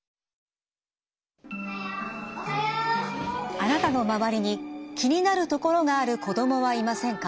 あなたの周りに気になるところがある子どもはいませんか？